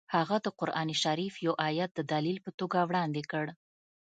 هغه د قران شریف یو ایت د دلیل په توګه وړاندې کړ